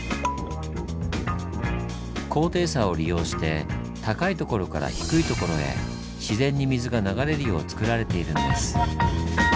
高低差を利用して高いところから低いところへ自然に水が流れるようつくられているんです。